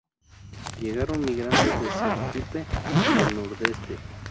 Llegaron migrantes de Sergipe y el nordeste.